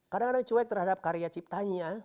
kadang kadang cuek terhadap karya ciptanya